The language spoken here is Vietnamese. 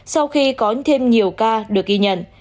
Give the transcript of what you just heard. sau khi có thêm nhiều ca được ghi nhận